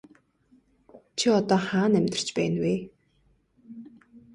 Чи одоо хаана амьдарч байна вэ?